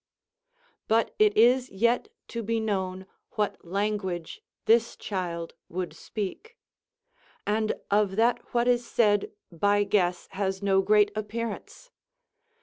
But it is yet to be known what language this child would speak; and of that what is said by guess has no great appearance.